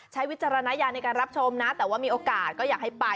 วิจารณญาณในการรับชมนะแต่ว่ามีโอกาสก็อยากให้ไป